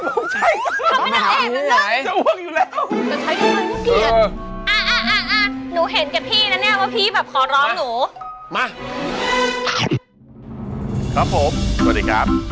อุ้ยข้างล่างดูดิเฮ้ยอยากกินอ่ะ